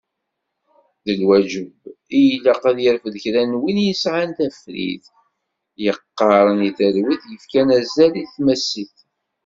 D lwaǧeb i ilaq ad yerfed kra n win yesεan tafrit, yeɣɣaren i talwit, yefkan azal i tmasit.